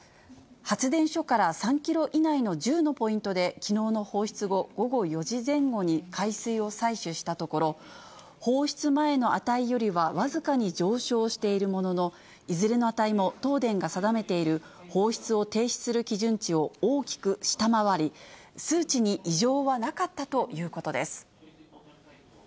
発電所から３キロ以内の１０のポイントで、きのうの放出後、午後４時前後に、海水を採取したところ、放出前の値よりは僅かに上昇しているものの、いずれの値も東電が定めている放出を停止する基準値を大きく下回り、数値に異常はなかったということです。